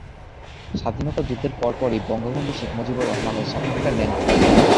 স্বাধীনতা যুদ্ধের পর পরই বঙ্গবন্ধু শেখ মুজিবুর রহমানের সাক্ষাৎকার নেন তিনি।